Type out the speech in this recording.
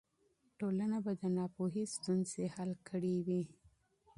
ټولنه به د ناپوهۍ ستونزې حل کړې وي.